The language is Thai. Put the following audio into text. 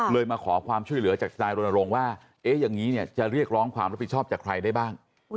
มาขอความช่วยเหลือจากทนายรณรงค์ว่าอย่างนี้จะเรียกร้องความรับผิดชอบจากใครได้บ้าง